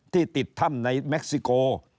ที่ติดถ้ำในเม็กซิโก